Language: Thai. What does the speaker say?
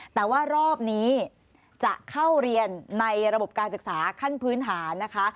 แต่ว่ารอบนี้จะเข้าเรียนในระบบการศึกษาขั้นพื้นฐานนะคะ